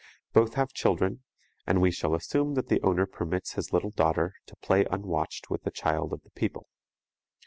Both have children, and we shall assume that the owner permits his little daughter to play unwatched with the child of the people.